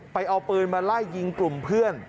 ไปเอาปืนมาไล่ยิงกลุ่มเพื่อน